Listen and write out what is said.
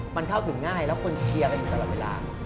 มันเข้าถึงง่ายแล้วคนเชียร์กันอยู่ตลอดเวลา